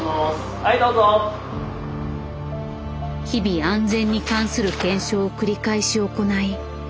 日々安全に関する検証を繰り返し行い